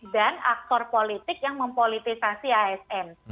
dan aktor politik yang mempolitisasi asn